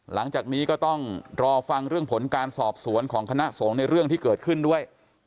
หลังจากนี้ก็ต้องรอฟังเรื่องผลการสอบสวนของคณะสงฆ์ในเรื่องที่เกิดขึ้นด้วย